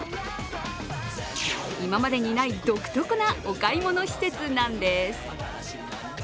今までにない独特なお買い物施設なんです。